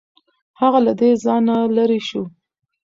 هغه له ځانه لرې شو.